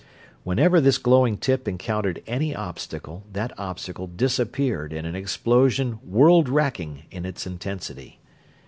Whenever this glowing tip encountered any obstacle, that obstacle disappeared in an explosion world wracking in its intensity.